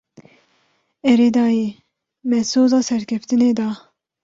Erê dayê, me soza serkeftinê da.